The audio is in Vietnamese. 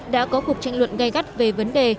đã có cuộc tranh luận gây gắt về vấn đề